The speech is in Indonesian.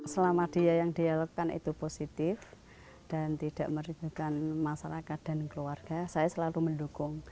selama dia yang dia lakukan itu positif dan tidak merindukan masyarakat dan keluarga saya selalu mendukung